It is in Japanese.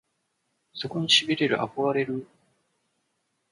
そこに痺れる憧れるぅ！！